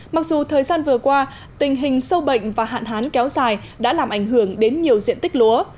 mặc dù thời gian vừa qua tình hình sâu bệnh và hạn hán kéo dài đã làm ảnh hưởng đến nhiều diện tích lúa